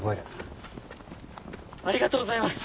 ありがとうございます！